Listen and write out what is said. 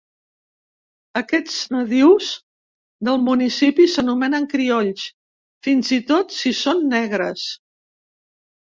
Aquests nadius del municipi s'anomenen criolls, fins i tot si són negres.